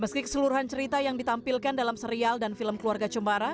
meski keseluruhan cerita yang ditampilkan dalam serial dan film keluarga cumara